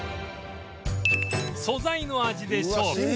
素材の味で勝負